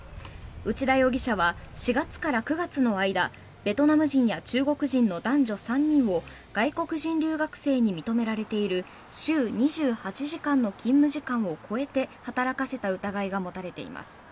内田容疑者は４月から９月の間ベトナム人や中国人の男女３人を外国人留学生に認められている週２８時間の勤務時間を超えて働かせた疑いが持たれています。